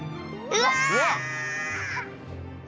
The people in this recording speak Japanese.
うわ！